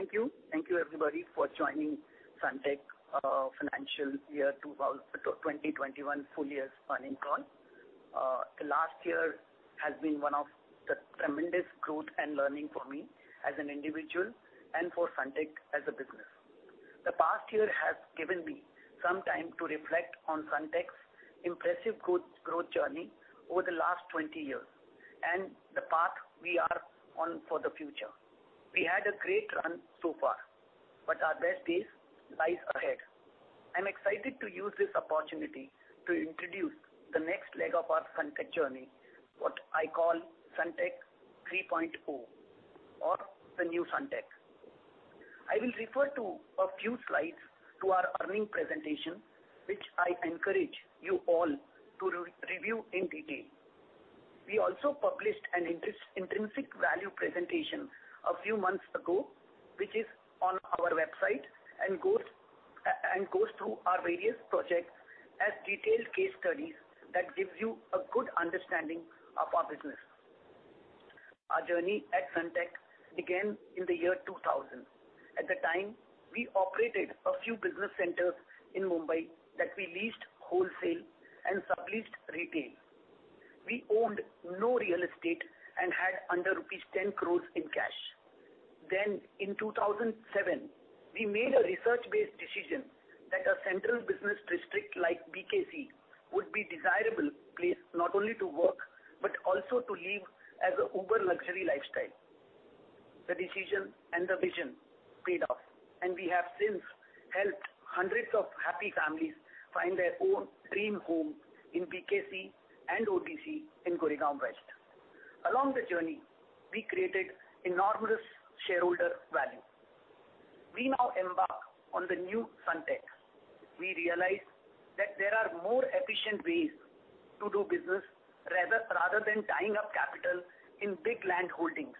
Thank you. Thank you everybody for joining Sunteck Financial Year 2021 full year's earnings call. Last year has been one of tremendous growth and learning for me as an individual and for Sunteck as a business. The past year has given me some time to reflect on Sunteck's impressive growth journey over the last 20 years, and the path we are on for the future. We had a great run so far, but our best days lie ahead. I'm excited to use this opportunity to introduce the next leg of our Sunteck journey, what I call Sunteck 3.0 or the new Sunteck. I will refer to a few slides to our earnings presentation, which I encourage you all to review in detail. We also published an intrinsic value presentation a few months ago, which is on our website and goes through our various projects as detailed case studies that gives you a good understanding of our business. Our journey at Sunteck began in the year 2000. At the time, we operated a few business centers in Mumbai that we leased wholesale and subleased retail. We owned no real estate and had under rupees 10 crore in cash. In 2007, we made a research-based decision that a central business district like BKC would be desirable place not only to work, but also to live as a uber-luxury lifestyle. The decision and the vision paid off, and we have since helped hundreds of happy families find their own dream home in BKC and ODC in Goregaon West. Along the journey, we created enormous shareholder value. We now embark on the new Sunteck. We realize that there are more efficient ways to do business rather than tying up capital in big land holdings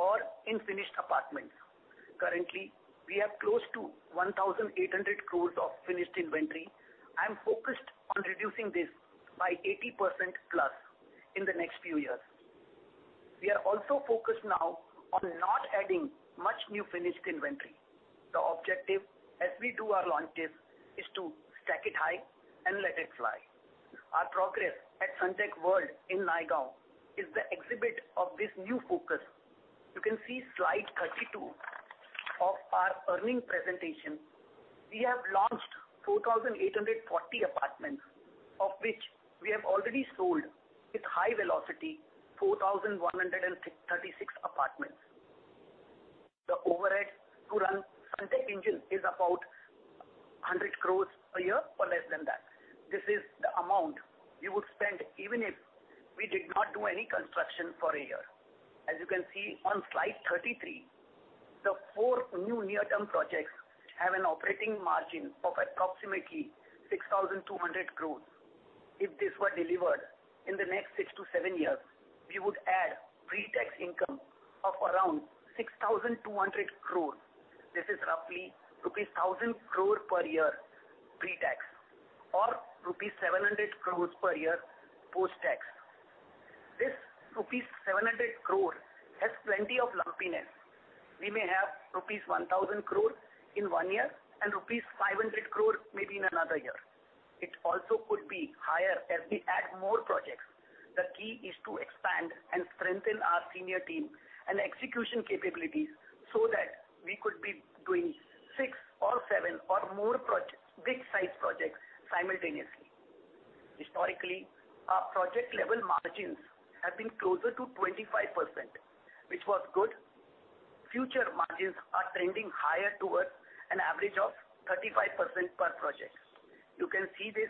or in finished apartments. Currently, we have close to 1,800 crores of finished inventory and focused on reducing this by 80%+ in the next few years. We are also focused now on not adding much new finished inventory. The objective as we do our launches is to stack it high and let it fly. Our progress at Sunteck World in Naigaon is the exhibit of this new focus. You can see slide 32 of our earnings presentation. We have launched 2,840 apartments, of which we have already sold with high velocity 4,136 apartments. The overhead to run Sunteck engine is about 100 crores per year or less than that. This is the amount we would spend even if we did not do any construction for a year. As you can see on slide 33, the four new near-term projects have an operating margin of approximately 6,200 crores. If this were delivered in the next six to seven years, we would add pre-tax income of around 6,200 crores. This is roughly rupees 1,000 crore per year pre-tax, or rupees 700 crores per year post-tax. This rupees 700 crores has plenty of lumpiness. We may have rupees 1,000 crores in one year and rupees 500 crores maybe in another year. It also could be higher as we add more projects. The key is to expand and strengthen our senior team and execution capabilities so that we could be doing six or seven or more big-sized projects simultaneously. Historically, our project-level margins have been closer to 25%, which was good. Future margins are trending higher towards an average of 35% per project. You can see this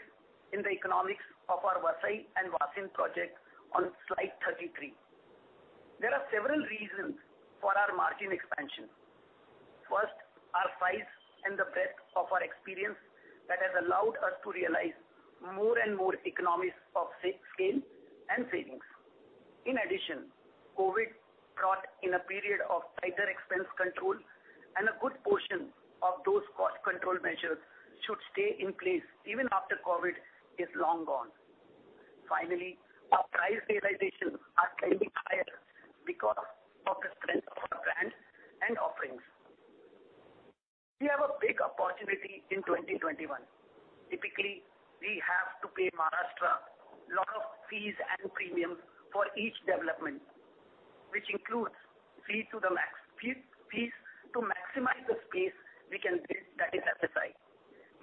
in the economics of our Vasai and Vasind projects on slide 33. There are several reasons for our margin expansion. First, our size and the breadth of our experience that has allowed us to realize more and more economics of scale and savings. In addition, COVID brought in a period of tighter expense control, and a good portion of those cost control measures should stay in place even after COVID is long gone. Finally, our price realizations are trending higher because of the strength of our brands and offerings. We have a big opportunity in 2021. Typically, we have to pay Maharashtra lot of fees and premium for each development, which includes fees to maximize the space we can utilize at a site.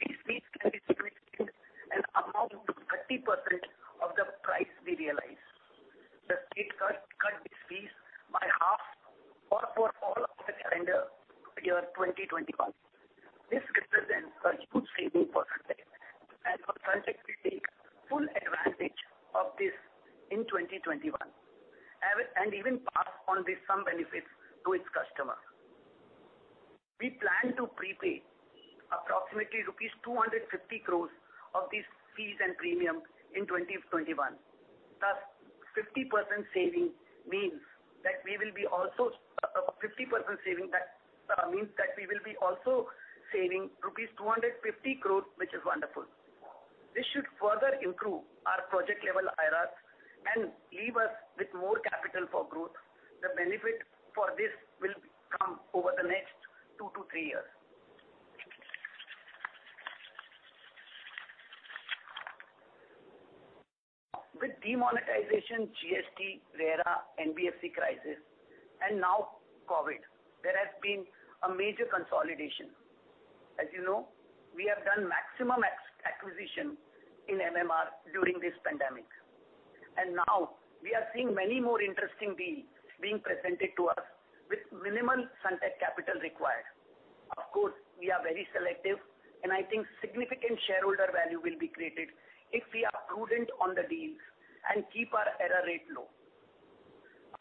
These fees can be significant and amount to 30% of the price we realize. The state cut these fees by half for all of the calendar year 2021. This represents a good saving for Sunteck, and for Sunteck we take full advantage of this in 2021, and even pass on some benefits to its customers. We plan to prepay approximately rupees 250 crores of these fees and premium in 2021. 50% saving means that we will be also saving rupees 250 crores, which is wonderful. This should further improve our project-level IRRs and leave us with more capital for growth. The benefit for this will come over the next two to three years. With demonetization, GST, RERA, NBFC crisis, and now COVID, there has been a major consolidation. Now we are seeing many more interesting deals being presented to us with minimal Sunteck capital required. Of course, we are very selective, and I think significant shareholder value will be created if we are prudent on the deals and keep our error rate low.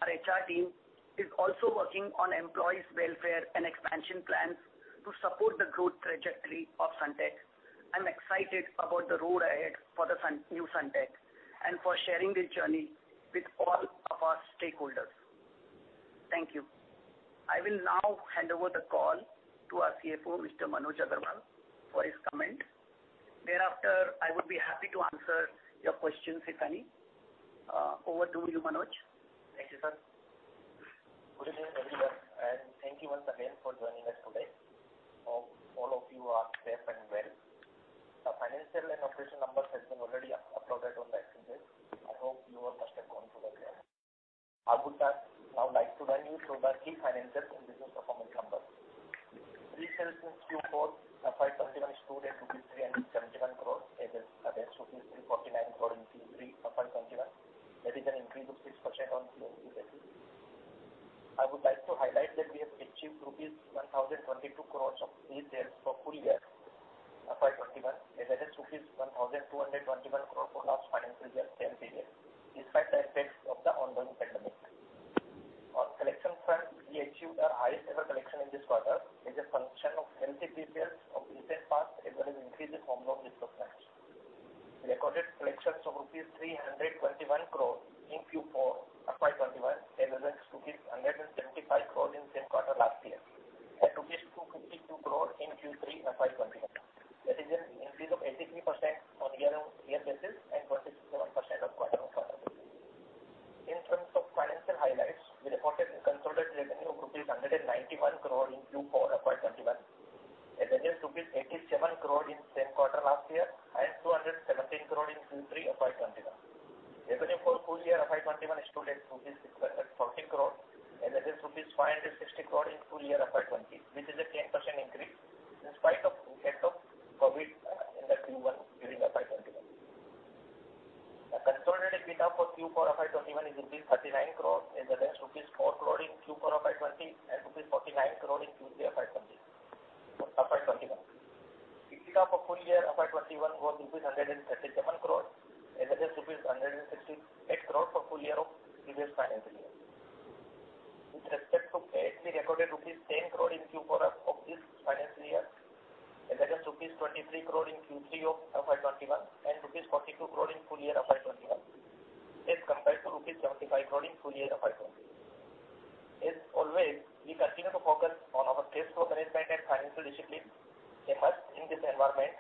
Our HR team is also working on employees' welfare and expansion plans to support the growth trajectory of Sunteck. I'm excited about the road ahead for the new Sunteck and for sharing this journey with all of our stakeholders. Thank you. I will now hand over the call to our CFO, Mr. Manoj Agarwal, for his comment. Thereafter, I would be happy to answer your questions, if any. Over to you, Manoj. Thank you, sir. Good evening, everyone, and thank you once again for joining us today. Hope all of you are safe and well. The financial and operational numbers have been already uploaded on the exchange. I hope you must have gone through that already. I would now like to run you through the key financial and business performance numbers. Pre-sales in Q4 FY 2021 stood at INR 371 crores against INR 349 crore in Q3 FY 2021. That is an increase of 6% on year-on-year basis. I would like to highlight that we have achieved INR 1,022 crores of pre-sales for full year FY 2021 as against INR 1,221 crore for last financial year, same period, despite the effects of the ongoing pandemic. to focus on our cash flow management and financial discipline. They help in this environment.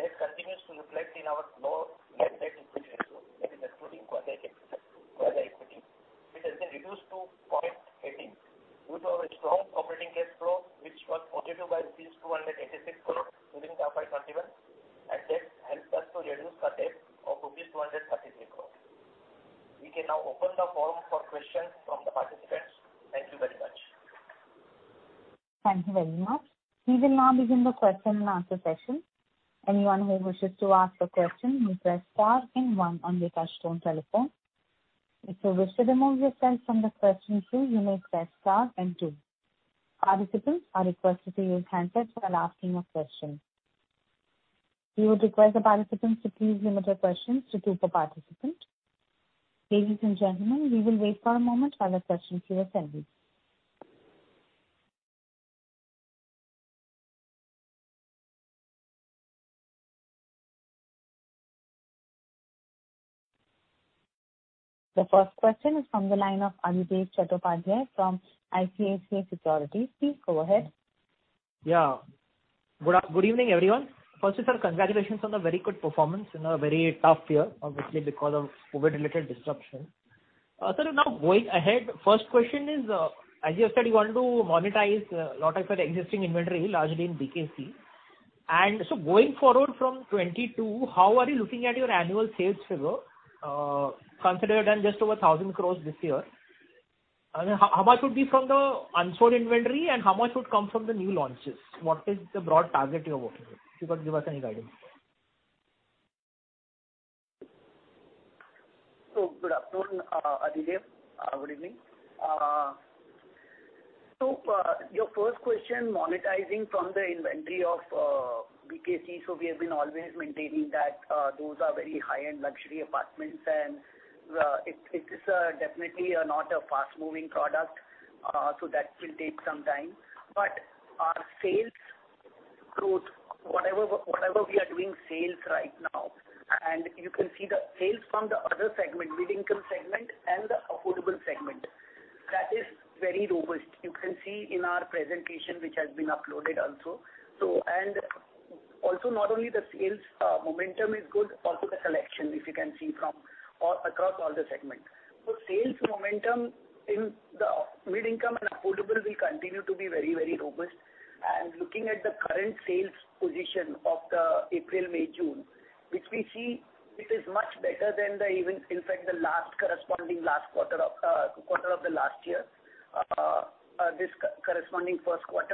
Debt continues to reflect in our low net debt to equity ratio, that is including quasi equity, which has been reduced to 0.18 due to our strong operating cash flow, which was positive by rupees 286 crore during FY 2021. That helped us to reduce our debt of rupees 233 crore. We can now open the forum for questions from the participants. Thank you very much. Thank you very much. We will now begin the question and answer session. Anyone who wishes to ask a question may press star and one on your touchtone telephone. If you wish to remove yourself from the question queue, you may press star and two. Participants are requested to use handsets while asking a question. We would request the participants to please limit your questions to two per participant. Ladies and gentlemen, we will wait for a moment while the questions queue is ready. The first question is from the line of Adhidev Chattopadhyay from ICICI Securities. Please go ahead. Yeah. Good evening, everyone. Firstly, sir, congratulations on the very good performance in a very tough year, obviously because of COVID-19-related disruption. Sir, going ahead, first question is, as you have said, you want to monetize a lot of your existing inventory, largely in BKC. Going forward from 2022, how are you looking at your annual sales figure? Considering you've done just over 1,000 crores this year. How much would be from the unsold inventory, how much would come from the new launches? What is the broad target you are working with? If you could give us any guidance. Good afternoon, Adhidev. Good evening. Your first question, monetizing from the inventory of BKC. We have been always maintaining that those are very high-end luxury apartments, and it is definitely not a fast-moving product. That will take some time. Our sales growth, whatever we are doing sales right now. You can see the sales from the other segment, mid-income segment and the affordable segment. That is very robust. You can see in our presentation, which has been uploaded also. Also not only the sales momentum is good, also the collection, if you can see from across all the segments. Sales momentum in the mid-income and affordable will continue to be very robust. Looking at the current sales position of the April, May, June, which we see it is much better than even, in fact, the last corresponding last quarter of the last year, this corresponding Q1.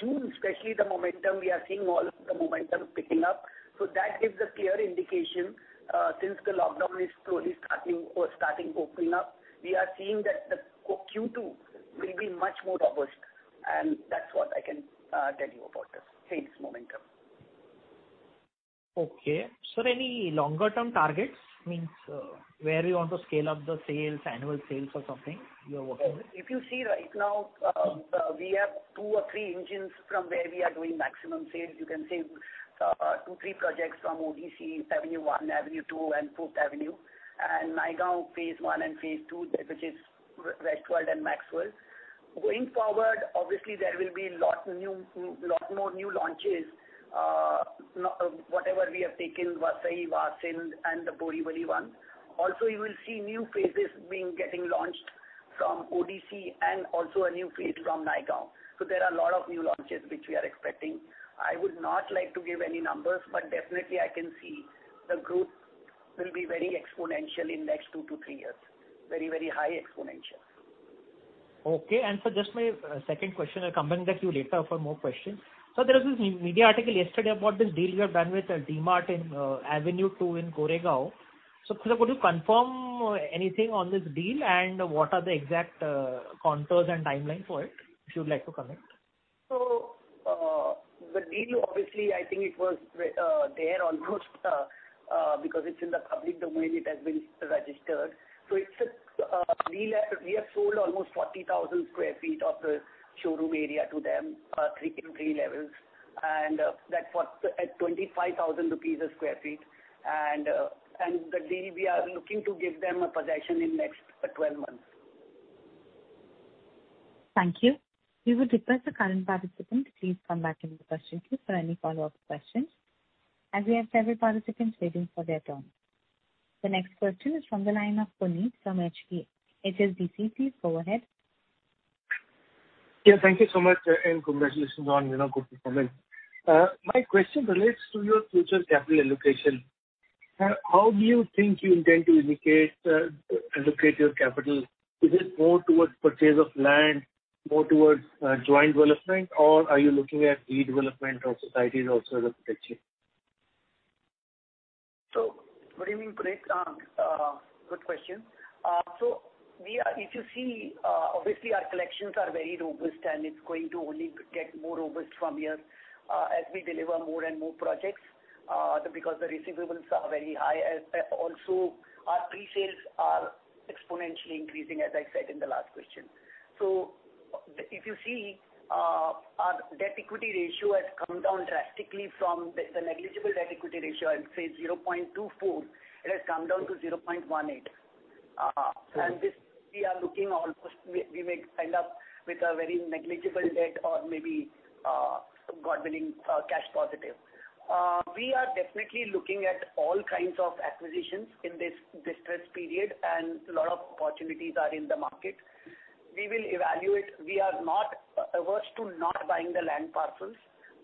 June especially, the momentum, we are seeing all of the momentum picking up. That is a clear indication, since the lockdown is slowly starting opening up, we are seeing that the Q2 will be much more robust, and that's what I can tell you about the sales momentum. Okay. Any longer-term targets, means where you want to scale up the sales, annual sales or something you are working on? If you see right now, we have two or three engines from where we are doing maximum sales. You can say two or three projects from ODC, Avenue One, Avenue Two, and Fourth Avenue, and Naigaon phase I and phase II, which is WestWorld and MaxxWorld. Obviously, there will be lot more new launches, whatever we have taken, Vasai, Vasind, and the Borivali one. You will see new phases getting launched from ODC and also a new phase from Naigaon. There are a lot of new launches which we are expecting. I would not like to give any numbers, but definitely I can see the growth will be very exponential in next two to three years. Very high exponential. Okay. Sir, just my 2nd question. I'll come back to you later for more questions. Sir, there was a media article yesterday about this deal you have done with DMart in Avenue Two in Goregaon. Could you confirm anything on this deal and what are the exact contours and timeline for it? If you would like to comment. The deal, obviously, I think it was there almost, because it's in the public domain, it has been registered. It's just we have sold almost 40,000 square feet of the showroom area to them, 3 levels, and that's what, at ₹25,000 a square feet. The deal, we are looking to give them a possession in next 12 months. Thank you. We would request the current participant to please come back in with questions for any follow-up questions, as we have several participants waiting for their turn. The next question is on the line of Puneet Gulati from HSBC. It is with you. Please go ahead. Yeah, thank you so much, congratulations on your good results. My question relates to your future capital allocation. How do you think you intend to allocate your capital? Is it more towards purchase of land, more towards joint development, or are you looking at redevelopment of societies also as a strategy? Very good question. If you see, obviously our collections are very robust and it's going to only get more robust from here as we deliver more and more projects, because the receivables are very high. Also, our pre-sales are exponentially increasing, as I said in the last question. If you see, our debt-equity ratio has come down drastically from the negligible debt-equity ratio at, say, 0.24. It has come down to 0.18. This we are looking almost we may end up with a very negligible debt or maybe somewhat very cash positive. We are definitely looking at all kinds of acquisitions in this distress period, and lot of opportunities are in the market. We will evaluate. We are not averse to not buying the land parcels,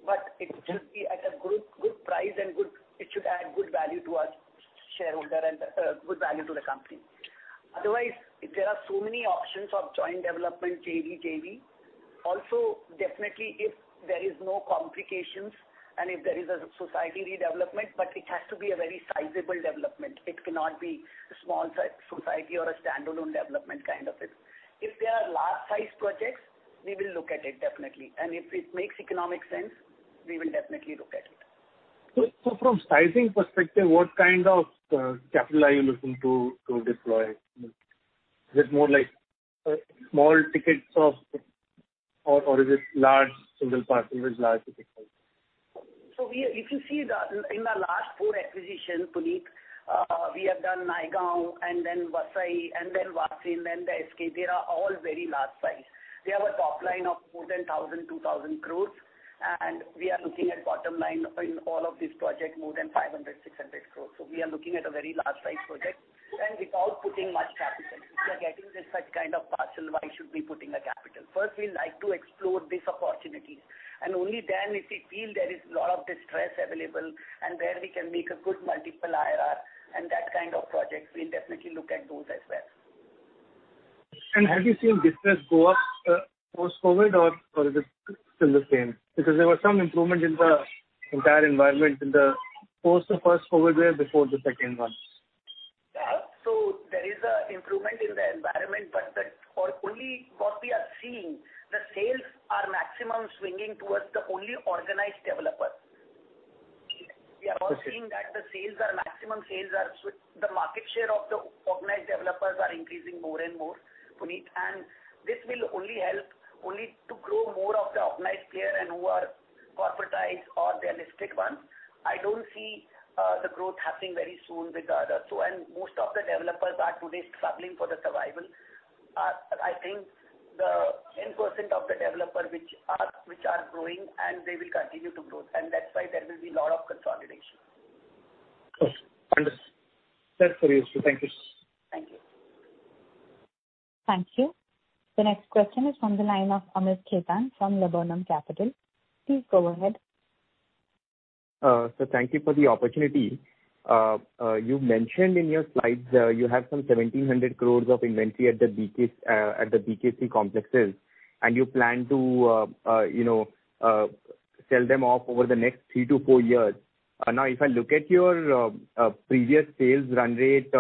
but it's just at a good price and it should add good value to our shareholder and good value to the company. Otherwise, there are so many options of joint development, JV. Definitely if there is no complications and if there is a society redevelopment, but it has to be a very sizable development. It cannot be a small society or a standalone development kind of thing. If they are large size projects, we will look at it definitely. If it makes economic sense, we will definitely look at it. From sizing perspective, what kind of capital are you looking to deploy? Is it more like small tickets, or is it large parcel with large tickets? If you see in the last four acquisitions, Puneet, we have done Naigaon and then Vasai and then Vasind, then SK. They are all very large size. They have a top line of more than 1,000 crore-2,000 crore and we are looking at bottom line in all of these projects more than 500 crore-600 crore. We are looking at a very large size project and without putting much capital. If we are getting such kind of parcel, why should we put in the capital? First, we like to explore these opportunities. Only then if we feel there is lot of distress available and where we can make a good multiple IRR and that kind of projects, we'll definitely look at those as well. Have you seen business go up post COVID or is it still the same? Because there was some improvement in the entire environment post the first COVID wave before the second one. There is an improvement in the environment, but only what we are seeing, the sales are maximum swinging towards the only organized developers. We are all seeing that the maximum sales are switched. The market share of the organized developers are increasing more and more, Puneet. This will only help to grow more of the organized player and who are corporatized or they're listed ones. I don't see the growth happening very soon with the others. Most of the developers are today struggling for the survival. I think the 10% of the developer which are growing, they will continue to grow. That's why there will be lot of consolidation. Okay. Understood. That's very useful. Thank you. Thank you. Thank you. The next question is from the line of Amit Khetan from Laburnum Capital. Please go ahead. Sir, thank you for the opportunity. You mentioned in your slides, you have some 1,700 crore of inventory at the BKC complexes, and you plan to sell them off over the next three to four years. Now, if I look at your previous sales run rate,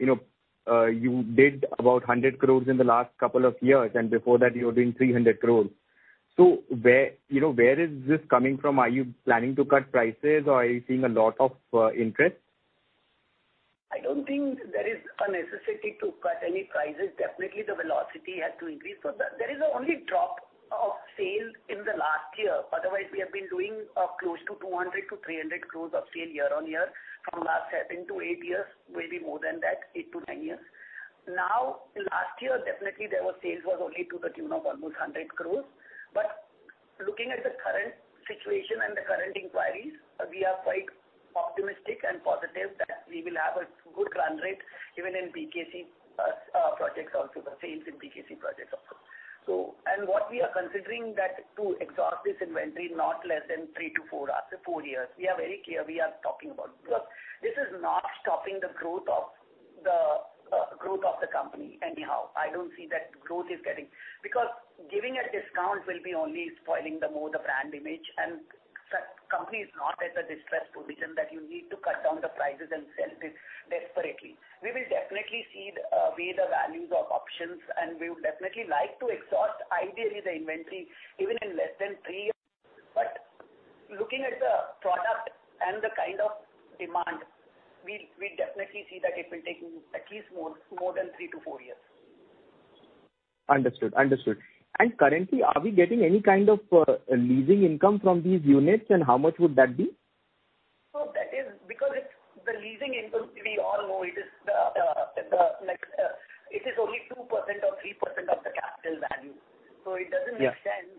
you did about 100 crore in the last two years, and before that you were doing 300 crore. Where is this coming from? Are you planning to cut prices or are you seeing a lot of interest? I don't think there is a necessity to cut any prices. Definitely, the velocity has to increase. There is only drop of sales in the last year. Otherwise, we have been doing close to 200 crore-300 crore of sale year on year from last seven to eight years, maybe more than that, 8-10 years. Last year, definitely there were sales was only to the tune of almost 100 crore. Looking at the current situation and the current inquiries, we are quite optimistic and positive that we will have a good run rate even in BKC projects also, the sales in BKC projects also. What we are considering that to exhaust this inventory, not less than three to four years. We are very clear we are talking about, because this is not stopping the growth of the company anyhow. I don't see that growth is getting. Because giving a discount will be only spoiling the more the brand image. Company is not at a distressed position that you need to cut down the prices and sell it desperately. We will definitely weigh the values of options, and we would definitely like to exhaust ideally the inventory even in less than three years. Looking at the product and the kind of demand, we definitely see that it will take at least more than three to four years. Understood. Currently, are we getting any kind of leasing income from these units and how much would that be? That is because the leasing income, we all know it is only 2% or 3% of the capital value. It doesn't make sense.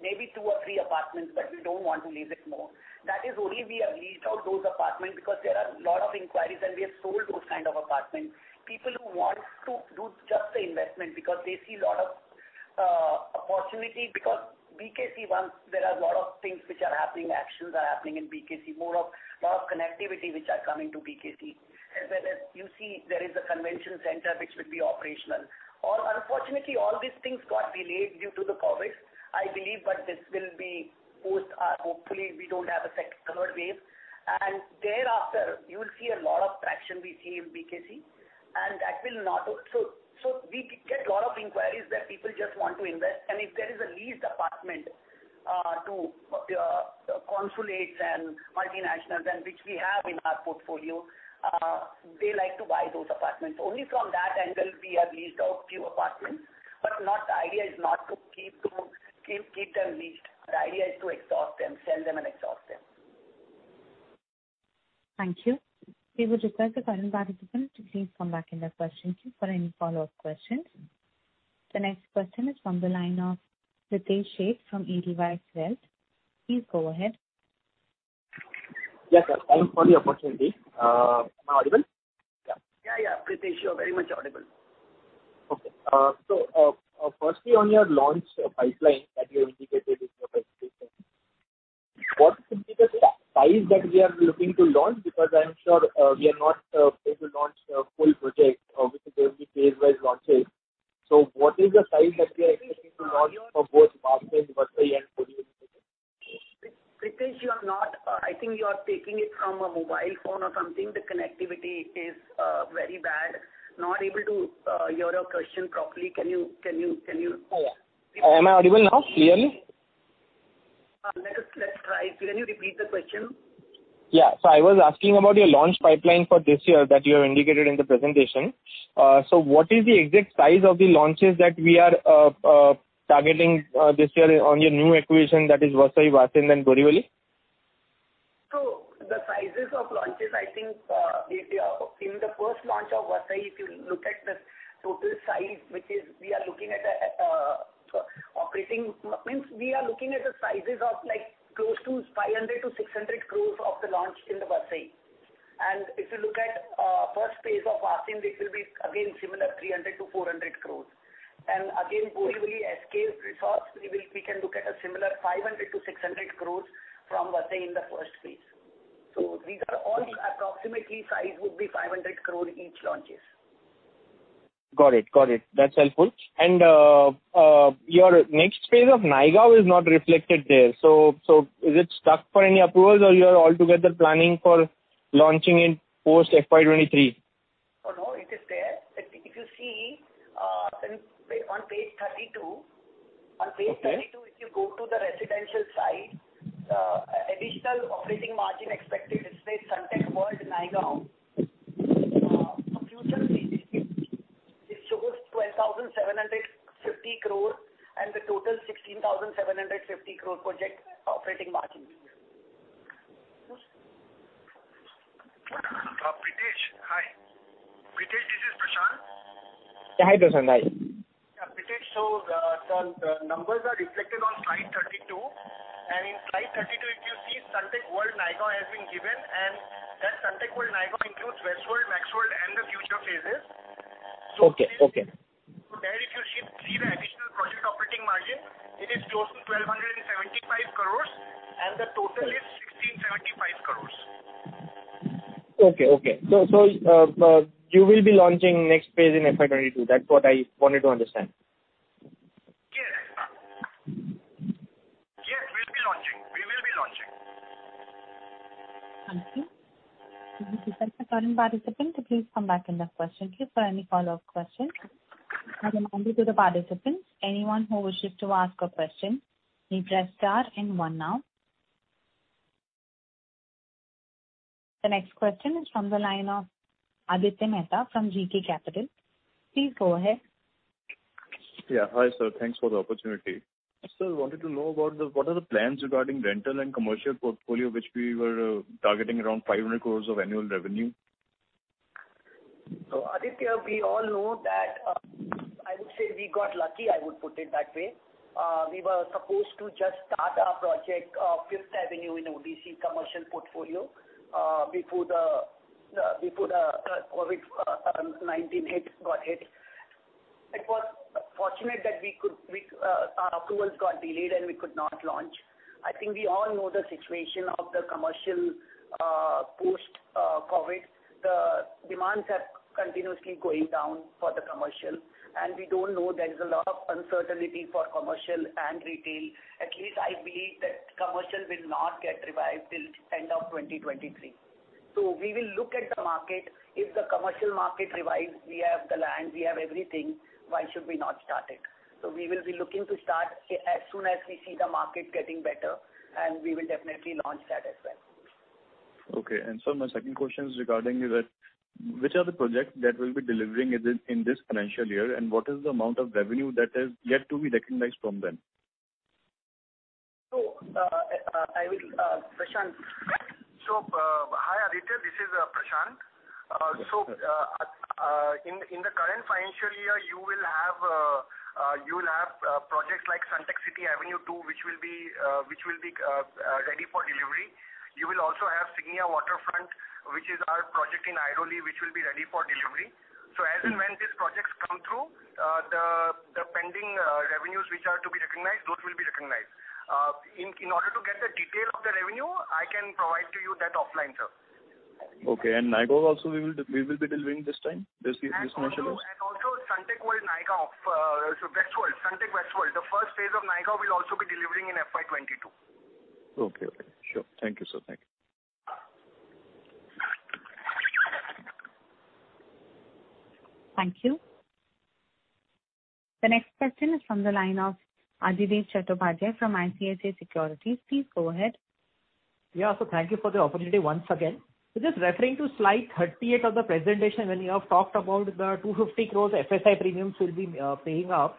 Maybe two or three apartments, but we don't want to lease it more. That is only we have leased out those apartments because there are a lot of inquiries and we have sold those kind of apartments. People who want to do just the investment because they see a lot of opportunity because BKC ones, there are a lot of things which are happening, actions are happening in BKC, more of lot of connectivity which are coming to BKC. As well as you see there is a convention center which will be operational. Unfortunately, all these things got delayed due to the COVID, I believe, but this will be post. Hopefully we don't have a second, third wave. Thereafter you will see a lot of traction we see in BKC. We get lot of inquiries that people just want to invest and if there is a leased apartment to consulates and multinationals and which we have in our portfolio, they like to buy those apartments. Only from that angle we have leased out few apartments. The idea is not to keep them leased. The idea is to exhaust them, sell them and exhaust them. Thank you. We would request the current participant to please come back in the question queue for any follow-up questions. The next question is from the line of Pritesh Sheth from Edelweiss Wealth. Please go ahead. Yes, sir. Thanks for the opportunity. Am I audible? Yeah. Pritesh, you're very much audible. Okay. Firstly on your launch pipeline that you indicated in your presentation, what is the particular size that we are looking to launch? I'm sure we are not able to launch a full project, obviously there will be phase-wise launches. What is the size that we are expecting to launch for both Vasant, Vasai and Borivali? Pritesh, I think you are taking it from a mobile phone or something. The connectivity is very bad. Not able to hear your question properly. Oh, yeah. Am I audible now, clearly? Let us try. Can you repeat the question? Yeah. I was asking about your launch pipeline for this year that you have indicated in the presentation. What is the exact size of the launches that we are targeting this year on your new acquisition that is Vasai, Vasant and Borivali? The sizes of launches, I think in the 1st launch of Vasai, if you look at the total size which is we are looking at the sizes of close to 500 crore-600 crore of the launch in the Vasai. If you look at phase I of Vasant, which will be again similar 300 crore-400 crore. Again, Borivali SK Resort, we can look at a similar 500 crore-600 crore from Vasai in the phase I. These are all approximately size would be 500 crore each launches. Got it. That's helpful. Your next phase of Naigaon is not reflected there. Is it stuck for any approvals or you are altogether planning for launching in post FY 2023? It is there. If you see on page 32, if you go to the residential side, additional operating margin expected in Sunteck World, Naigaon. Future phases, it shows INR 12,750 crores and the total INR 16,750 crore project operating margin. Pritesh, hi. Pritesh, it is Prashant. Yeah, Prashant. Hi. Pritesh, the numbers are reflected on slide 32, and in slide 32 if you see Sunteck World, Naigaon has been given, and that Sunteck World, Naigaon includes WestWorld and MaxxWorld and the future phases. Okay. There if you see the additional project operating margin, it is close to 1,275 crores and the total is 1,675 crores. Okay. You will be launching next phase in FY 2022. That's what I wanted to understand. Yes. We'll be launching. Thank you. If you are the current participant, please come back in the question queue for any follow-up questions. At the moment to the participants, anyone who wishes to ask a question, you press star and one now. The next question is from the line of Aditya Mehta from GK Capital. Please go ahead. Hi, sir, thanks for the opportunity. I still wanted to know what are the plans regarding rental and commercial portfolio, which we were targeting around 500 crore of annual revenue? Aditya, we all know that, I would say we got lucky, I would put it that way. We were supposed to just start our project, Fifth Avenue in ODC commercial portfolio, before the COVID-19 hit. It was fortunate that our approvals got delayed, and we could not launch. I think we all know the situation of the commercial post-COVID. The demands are continuously going down for the commercial, and we don't know there is a lot of uncertainty for commercial and retail. At least I believe that commercial will not get revised till end of 2023. We will look at the market. If the commercial market revives, we have the land, we have everything. Why should we not start it? We will be looking to start as soon as we see the market getting better, and we will definitely launch that as well. Okay. sir, my second question is regarding which are the projects that will be delivering in this financial year, and what is the amount of revenue that is yet to be recognized from them? Prashant. Hi, Aditya. This is Prashant. In the current financial year, you will have projects like Sunteck City Avenue II which will be ready for delivery. You will also have Signia Waterfront, which is our project in Airoli, which will be ready for delivery. As and when these projects come through, the pending revenues which are to be recognized, those will be recognized. In order to get the detail of the revenue, I can provide to you that offline, sir. Okay. Naigaon also we will be delivering this time, basically for commercial use? Also Sunteck World, Naigaon. WestWorld, Sunteck WestWorld. The phase I of Naigaon will also be delivering in FY 2022. Okay. Sure. Thank you, sir. Thank you. The next question is from the line of Adhidev Chattopadhyay from ICICI Securities. Please go ahead. Yeah. Thank you for the opportunity once again. Just referring to slide 38 of the presentation when you have talked about the 250 crores FSI premiums will be paying out.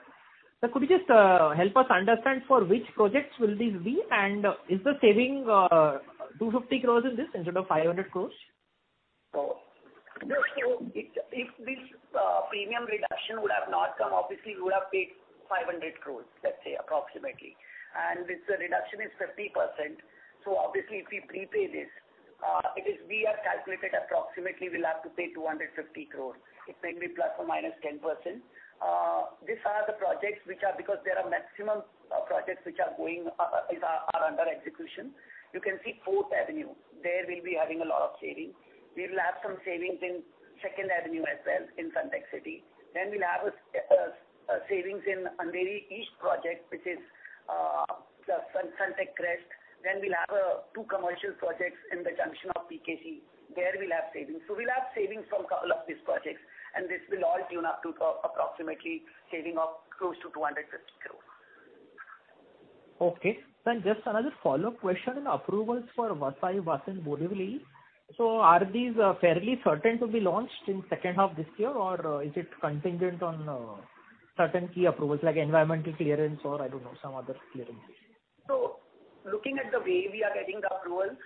Sir, could you just help us understand for which projects will this be, and is the saving 250 crores instead of 500 crores? If this premium reduction would have not come, obviously we would have paid 500 crores, let's say, approximately. This reduction is 50%. Obviously, if we prepay this, we have calculated approximately we'll have to pay 250 crores, it can be ±10%. These are the projects, because there are maximum projects which are under execution. You can see Fourth Avenue, there we'll be having a lot of saving. We will have some savings in 2nd Avenue as well in Sunteck City. We have a savings in Andheri East project, which is Sunteck Crest. We have two commercial projects in the junction of BKC where we'll have savings. We'll have savings from all of these projects, and this will all tune up to approximately saving of close to 250 crores. Okay. Sir, just another follow-up question. Approvals for Vasant Borivali. Are these fairly certain to be launched in second half this year, or is it contingent on certain key approvals, like environmental clearance or, I don't know, some other clearance? Looking at the way we are getting the approvals,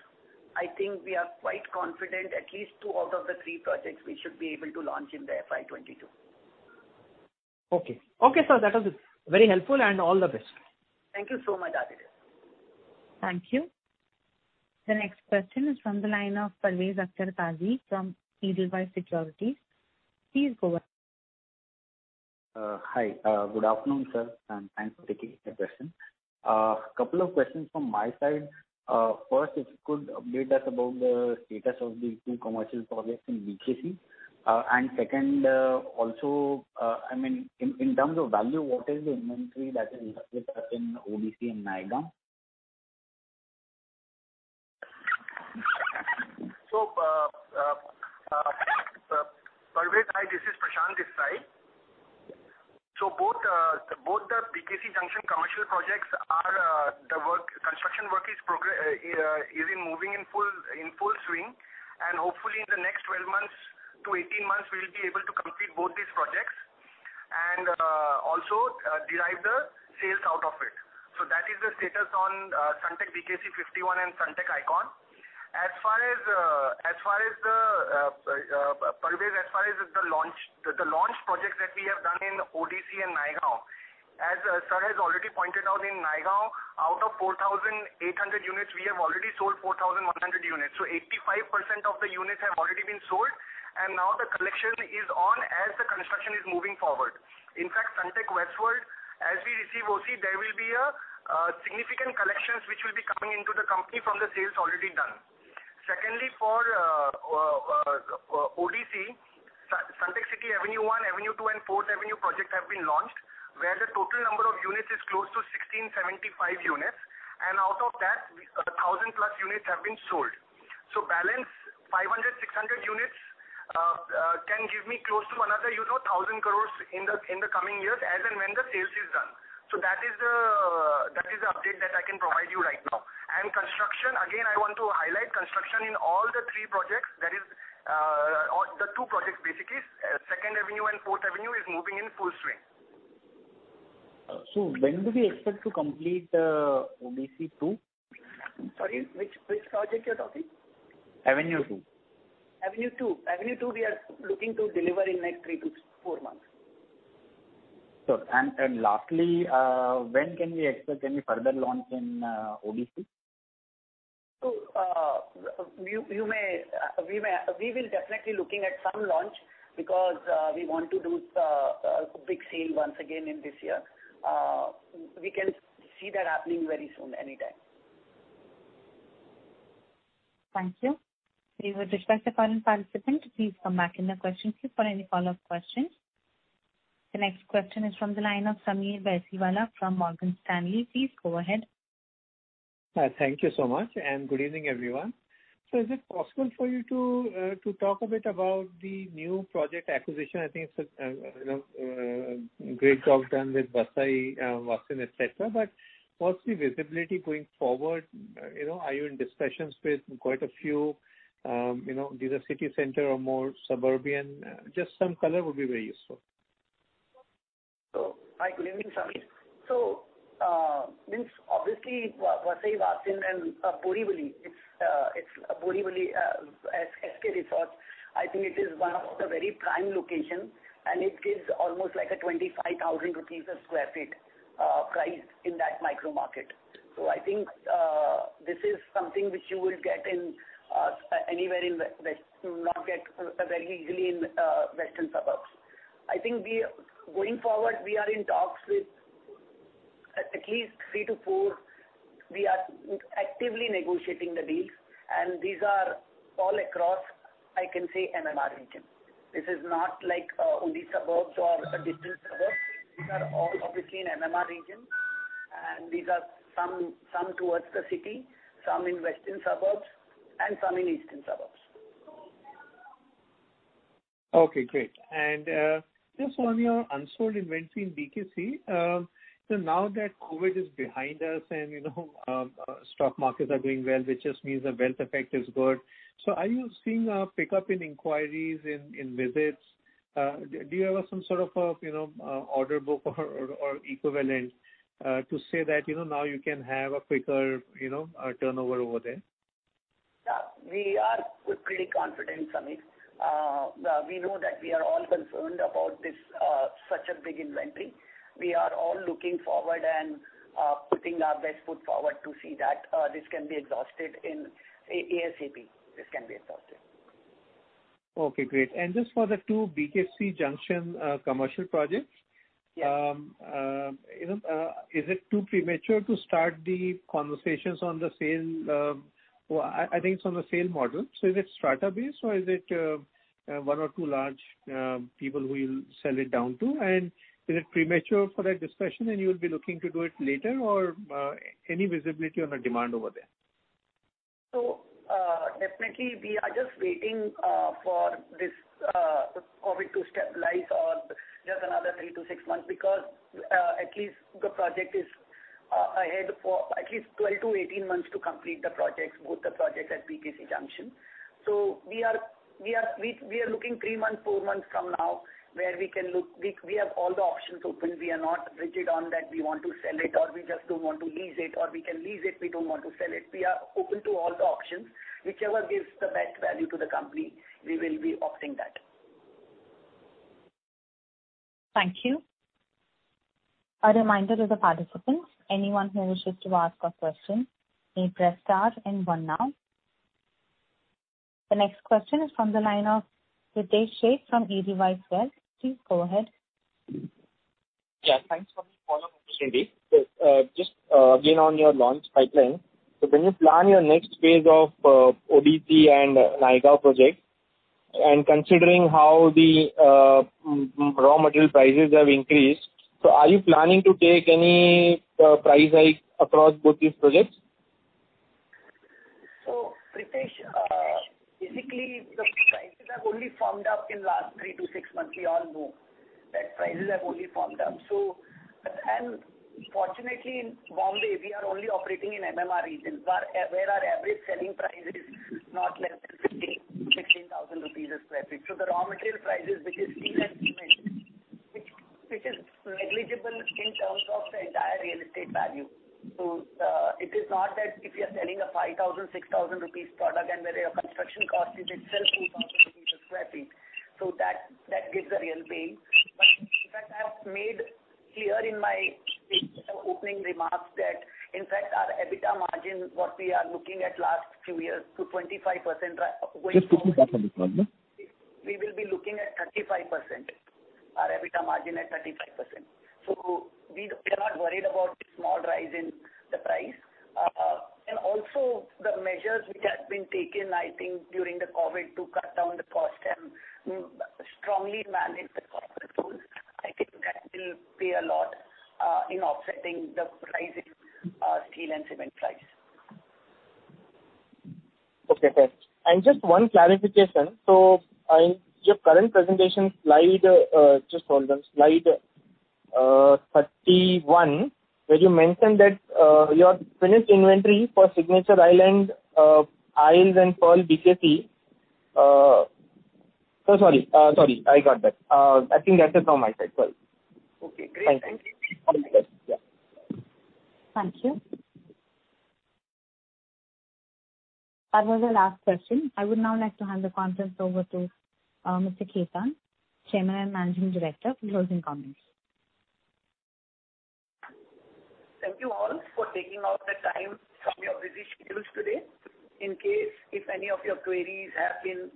I think we are quite confident at least two out of the three projects we should be able to launch in the FY 2022. Okay, sir. That was very helpful and all the best. Thank you so much, Adhidev. Thank you. The next question is from the line of Parvez Akhtar Qazi from Edelweiss Securities. Please go ahead. Hi. Good afternoon, sir, and thanks for taking my question. A couple of questions from my side. First, if you could update us about the status of these two commercial projects in BKC. Second, also, in terms of value, what is the inventory that is with us in ODC and Naigaon? Parvez, hi. This is Prashant Chaubey. Both the BKC Junction commercial projects, the construction work is moving in full swing, and hopefully in the next 12 months-18 months, we'll be able to complete both these projects and also derive the sales out of it. That is the status on Sunteck BKC 51 and Sunteck ICON. Parvez, As far as the launch projects that we have done in ODC and Naigaon, as sir has already pointed out, in Naigaon, out of 4,800 units, we have already sold 4,100 units. 85% of the units have already been sold, and now the collection is on as the construction is moving forward. In fact, Sunteck WestWorld, as we receive OC, there will be significant collections, which will be coming into the company from the sales already done. For ODC, Sunteck City Avenue One, Avenue Two, and Fourth Avenue projects have been launched. The total number of units is close to 1,675 units, and out of that, 1,000+ units have been sold. Balance 500-600 units can give me close to another 1,000 crores in the coming years as and when the sales are done. That is the update that I can provide you right now. Construction, again, I want to highlight construction in all the three projects. That is, the two projects basically, Second Avenue and Fourth Avenue are moving in full swing. When do we expect to complete ODC 2? Sorry, which project you're talking? Avenue Two. Avenue Two, we are looking to deliver in next three to four months. Sure. Lastly, when can we expect any further launch in ODC? We will definitely looking at some launch because we want to do a big sale once again in this year. We can see that happening very soon, anytime. Thank you. We would request the current participant to please come back in the question queue for any follow-up questions. The next question is from the line of Sameer Baisiwala from Morgan Stanley. Please go ahead. Hi, thank you so much, and good evening, everyone. Is it possible for you to talk a bit about the new project acquisition? I think it's a great job done with Vasai, Vasind, et cetera, but what's the visibility going forward? Are you in discussions with quite a few, these are city center or more suburban? Just some color would be very useful. Hi, good evening, Sameer. Obviously Vasai, Vasind and Borivali, SK Resorts, I think it is one of the very prime locations, and it gives almost like a 25,000 rupees a square feet price in that micro-market. I think this is something which you will not get very easily in western suburbs. I think going forward, we are in talks with at least three to four. We are actively negotiating the deals, and these are all across, I can say MMR region. This is not like only suburbs or distant suburbs. These are all obviously in MMR region, and these are some towards the city, some in western suburbs, and some in eastern suburbs. Okay, great. Just on your unsold inventory in BKC, now that COVID is behind us and stock markets are doing well, which just means the wealth effect is good. Are you seeing a pickup in inquiries, in visits? Do you have some sort of order book or equivalent to say that now you can have a quicker turnover over there? Yeah, we are pretty confident, Sameer. We know that we are all concerned about such a big inventory. We are all looking forward and putting our best foot forward to see that this can be exhausted ASAP. Okay, great. Just for the 2 BKC Junction commercial projects. Yes. Is it too premature to start the conversations on the sale? I think it's on the sale model. Is it strata-based or is it one or two large people who you'll sell it down to? Is it premature for that discussion and you'll be looking to do it later or any visibility on the demand over there? Definitely we are just waiting for this COVID to stabilize or just another three to six months because at least the project is ahead for at least 12-18 months to complete the projects, both the projects at BKC Junction. We are looking three months, four months from now where we have all the options open. We are not rigid on that we want to sell it, or we just don't want to lease it, or we can lease it, we don't want to sell it. We are open to all the options. Whichever gives the best value to the company, we will be opting for that. Thank you. A reminder to the participants, anyone who wishes to ask a question, may press star and one now. The next question is from the line of Pritesh Sheth from Edelweiss Wealth. Please go ahead. Yeah, thanks for the follow-up, Pritesh Sheth. Just again on your launch pipeline. When you plan your next phase of ODC and Naigaon project and considering how the raw material prices have increased, are you planning to take any price hike across both these projects? Pritesh, basically, the prices have only firmed up in last three to six months. We all know that prices have only firmed up. Fortunately, in Bombay, we are only operating in MMR regions, where our average selling price is not less than 15,000-16,000 rupees a square feet. The raw material prices, which is steel and cement, which is negligible in terms of the entire real estate value. It is not that if you're selling a 5,000, 6,000 rupees product and where your construction cost is itself 2,000 rupees a square feet. In fact, I have made clear in my opening remarks that, in fact, our EBITDA margin, what we are looking at last few years to 25%. Just quickly back on this one. We will be looking at 35%, our EBITDA margin at 35%. We are not worried about the small rise in the price. Also the measures which has been taken, I think, during the COVID to cut down the cost and strongly manage the cost of the tools, I think that will pay a lot in offsetting the rise in steel and cement price. Okay. Just one clarification. In your current presentation slide, just hold on, slide 31, where you mentioned that your finished inventory for Signature Island, Isles and Pearl BKC. Sorry, I got that. I think that is from my side. Sorry. Okay, great. Thank you, Pritesh. No problem. Yeah. Thank you. That was our last question. I would now like to hand the conference over to Mr. Kamal Khetan, Chairman and Managing Director for closing comments. Thank you all for taking out the time from your busy schedules today. In case if any of your queries have been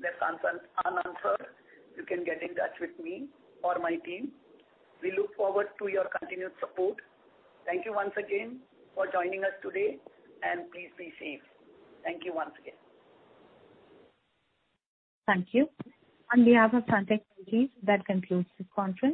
unanswered, you can get in touch with me or my team. We look forward to your continued support. Thank you once again for joining us today, and please be safe. Thank you once again. Thank you. On behalf of Sunteck Realty, that concludes this conference.